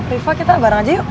rifa kita bareng aja yuk